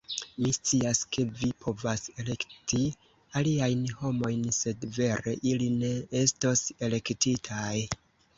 Mi scias, ke vi povas elekti aliajn homojn sed vere ili ne estos elektitaj